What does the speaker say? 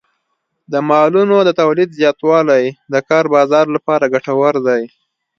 د مالونو د تولید زیاتوالی د کار بازار لپاره ګټور دی.